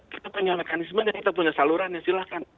kita punya mekanisme dan kita punya saluran ya silahkan